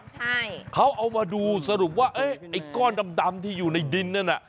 ใช่เขาเอามาดูสรุปว่าเอ๊ะไอ้ก้อนดำที่อยู่ในดินนั่นน่ะ